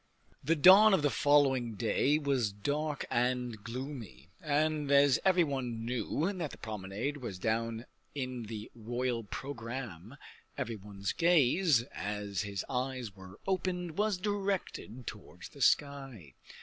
The dawn of the following day was dark and gloomy, and as every one knew that the promenade was down in the royal programme, every one's gaze, as his eyes were opened, was directed towards the sky.